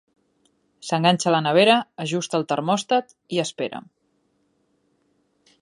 S'enganxa a la nevera, ajusta el termòstat i espera.